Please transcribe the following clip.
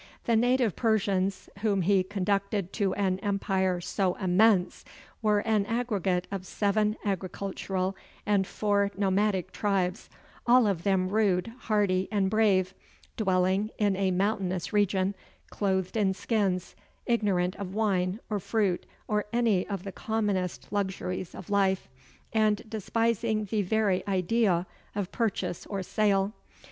The native Persians, whom he conducted to an empire so immense, were an aggregate of seven agricultural, and four nomadic tribes all of them rude, hardy, and brave dwelling in a mountainous region, clothed in skins, ignorant of wine, or fruit, or any of the commonest luxuries of life, and despising the very idea of purchase or sale.